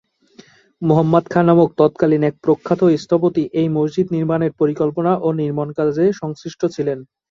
মুহাম্মদ খাঁ নামক তৎকালীন এক প্রখ্যাত স্থপতি এই মসজিদ নির্মাণের পরিকল্পনা ও নির্মাণ কাজে সংশ্লিষ্ট ছিলেন।